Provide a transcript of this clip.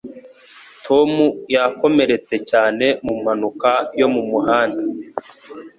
Tom yakomeretse cyane mu mpanuka yo mu muhanda.